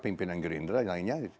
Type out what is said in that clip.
pimpinan gerindra dan lainnya